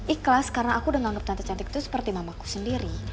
ikhlas karena aku udah menganggap cantik cantik itu seperti mamaku sendiri